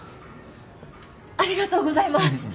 ありがとうございます。